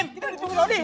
kita disuruh suruh nih